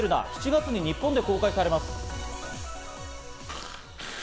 ７月に日本で公開されます。